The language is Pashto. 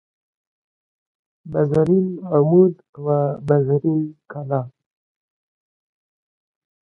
بزرین عمود و بزرین کلاه